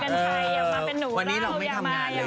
ถ่าวพี่หนุ่มกันตัวเอง